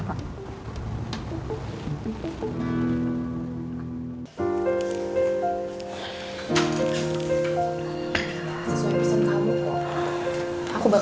sesuai pesan kamu pak